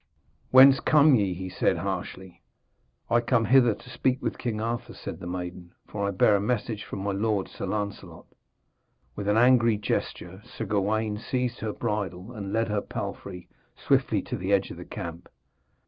'Whence come ye?' he said harshly. 'I come hither to speak with King Arthur,' said the maiden, 'for I bear a message from my lord, Sir Lancelot.' With an angry gesture Sir Gawaine seized her bridle and led her palfrey swiftly to the edge of the camp.